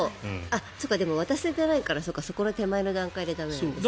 そうか、でも渡せてないからそこの手前の段階で駄目なんですね。